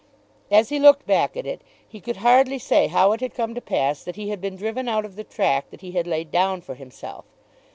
As he looked back at it, he could hardly say how it had come to pass that he had been driven out of the track that he had laid down for himself.